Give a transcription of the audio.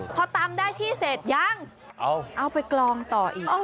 พอตำได้ที่เสร็จยังเอาไปกลองต่ออีก